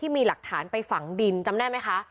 มีหลักฐานไปฝังดินจำได้ไหมคะ